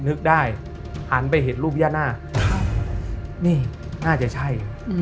ลึกได้หันไปเห็นรูปแย่หน้าน่าจะใช่